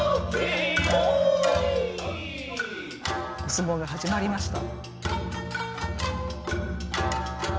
相撲が始まりました。